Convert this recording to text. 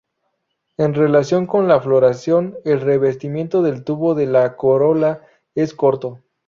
En relación con la floración el revestimiento del tubo de la corola es corto.